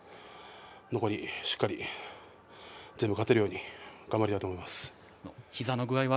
残りしっかり全部勝てるように頑張りたいと思います。